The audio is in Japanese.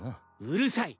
うるさい。